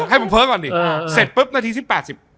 ให้ผมเพ้อก่อนดิเสร็จปุ๊บนาทีที่๘๐